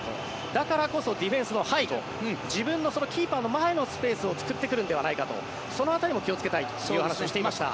だからこそ、ディフェンスの背後自分のキーパーの前のスペースを使ってくるのではないかとその辺りも気をつけたいという話をしていました。